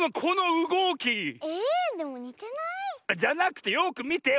じゃなくてよくみて。